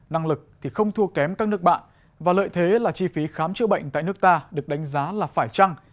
năng lực thì không thua kém các nước bạn và lợi thế là chi phí khám chữa bệnh tại nước ta được đánh giá là phải trăng